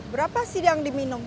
berapa sih yang diminum